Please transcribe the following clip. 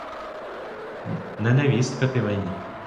Не невістка ти мені!